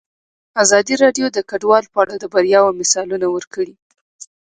ازادي راډیو د کډوال په اړه د بریاوو مثالونه ورکړي.